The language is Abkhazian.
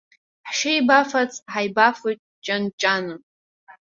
Ҳшеибафац ҳаибафоит ҷан-ҷаны.